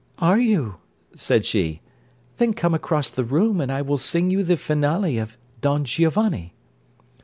'Are you?' said she; 'then come across the room, and I will sing you the finale of Don Giovanni.'